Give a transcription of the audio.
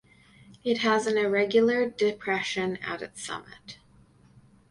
It has an irregular depression at its summit.